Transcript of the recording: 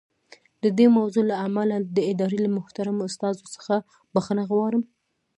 د دې موضوع له امله د ادارې له محترمو استازو څخه بښنه غواړم.